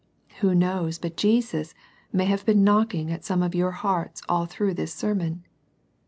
Who knows but Jesus may have been knocking at some of your hearts all through 'this sermon?